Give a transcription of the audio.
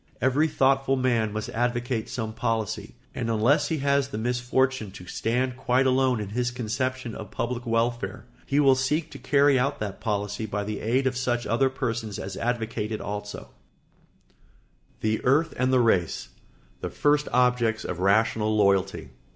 Every thoughtful man must advocate some policy, and unless he has the misfortune to stand quite alone in his conception of public welfare he will seek to carry out that policy by the aid of such other persons as advocate it also. [Sidenote: The earth and the race the first objects of rational loyalty.